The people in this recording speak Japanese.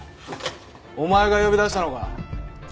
お前が呼び出したのか？